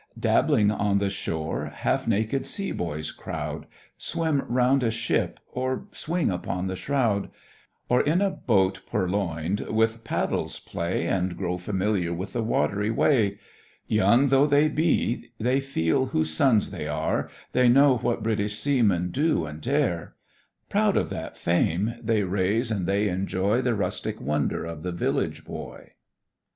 Dabbling on shore half naked sea boys crowd, Swim round a ship, or swing upon the shroud; Or in a boat purloin'd, with paddles play, And grow familiar with the watery way: Young though they be, they feel whose sons they are, They know what British seamen do and dare; Proud of that fame, they raise and they enjoy The rustic wonder of the village boy.